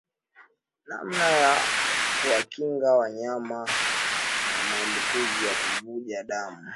Namna ya kuwakinga wanyama na maambukuzi ya kuvuja damu